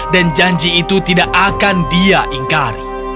dan janji itu tidak akan dia inggari